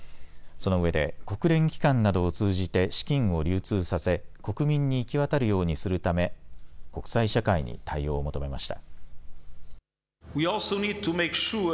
そのうえで国連機関などを通じて資金を流通させ国民に行き渡るようにするため国際社会に対応を求めました。